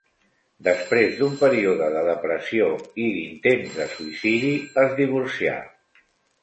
Després d'un període de depressió i d'intents de suïcidi, es divorcià.